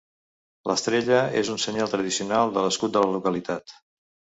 L'estrella és un senyal tradicional de l'escut de la localitat.